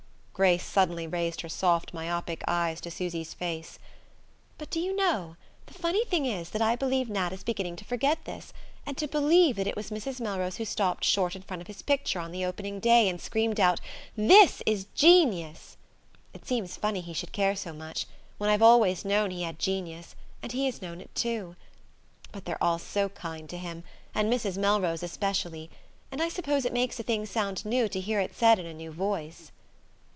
Grace suddenly raised her soft myopic eyes to Susy's face. "But, do you know, the funny thing is that I believe Nat is beginning to forget this, and to believe that it was Mrs. Melrose who stopped short in front of his picture on the opening day, and screamed out: 'This is genius!' It seems funny he should care so much, when I've always known he had genius and he has known it too. But they're all so kind to him; and Mrs. Melrose especially. And I suppose it makes a thing sound new to hear it said in a new voice."